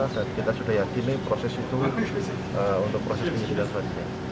dan kita sudah yakin proses itu untuk proses pindah kembali